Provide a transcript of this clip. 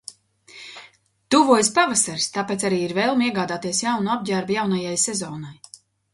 Tuvojas pavasaris, tāpēc arī ir vēlme iegādāties jaunu apģērbu jaunajai sezonai.